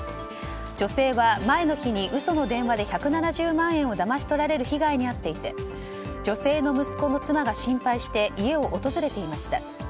女性は、前の日に嘘の電話で１７０万円をだまし取られる被害に遭っていて女性の息子の妻が心配して家を訪れていました。